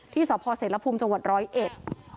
ที่สเศรษฐภูมิจังหวัด๑๐๑